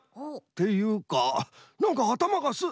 っていうかなんかあたまがス。